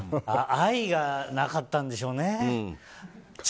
愛がなかったんでしょうね。